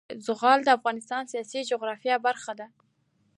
زغال د افغانستان د سیاسي جغرافیه برخه ده.